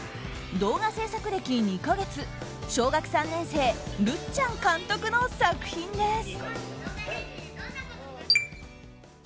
動画制作歴２か月、小学３年生るっちゃん監督の作品です。